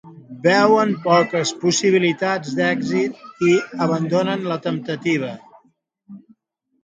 Veuen poques possibilitats d'èxit i abandonen la temptativa.